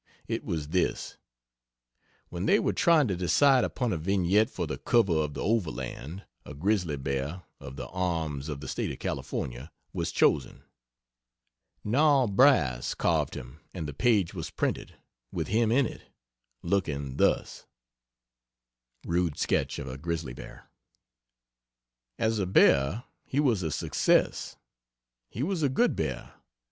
It was this: When they were trying to decide upon a vignette for the cover of the Overland, a grizzly bear (of the arms of the State of California) was chosen. Nahl Bras. carved him and the page was printed, with him in it, looking thus: [Rude sketch of a grizzly bear.] As a bear, he was a success he was a good bear